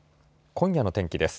今夜の天気です。